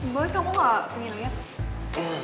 gue juga gak pengen liat